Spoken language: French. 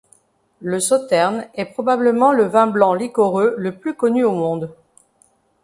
Le Sauternes est probablement le vin blanc liquoreux le plus connu au monde.